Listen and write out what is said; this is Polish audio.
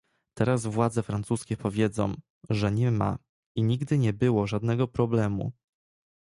Teraz władze francuskie powiedzą, że nie ma i nigdy nie było żadnego problemu